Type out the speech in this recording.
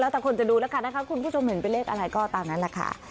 แต่คนจะดูละครับคุณผู้ชมเห็นไปเลขอะไรก็ตามนั้นแหละค่ะ